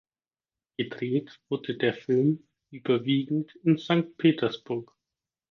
Gedreht wurde der Film überwiegend in Sankt Petersburg.